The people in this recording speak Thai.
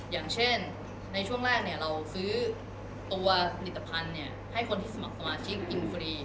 อย่างเช่นในช่วงแรกเราซื้อตัวผลิตภัณฑ์ให้คนที่สมัครสมาชิกอินฟรี